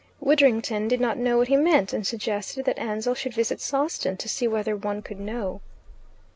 Widdrington did not know what he meant, and suggested that Ansell should visit Sawston to see whether one could know.